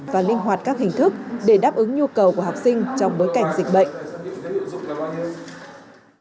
và linh hoạt các hình thức để đáp ứng nhu cầu của học sinh trong bối cảnh dịch bệnh